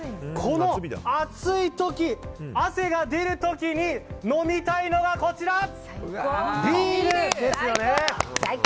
この暑い時、汗が出る時に飲みたいのが、ビールですよね。